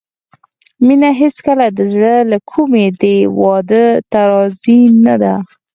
مينه هېڅکله د زړه له کومې دې واده ته راضي نه ده